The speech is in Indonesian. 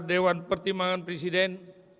dewan pertimbangan presiden